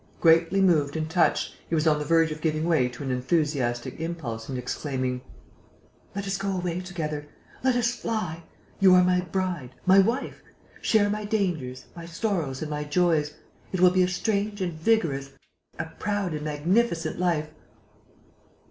Greatly moved and touched, he was on the verge of giving way to an enthusiastic impulse and exclaiming: "Let us go away together!... Let us fly!... You are my bride ... my wife.... Share my dangers, my sorrows and my joys.... It will be a strange and vigorous, a proud and magnificent life...."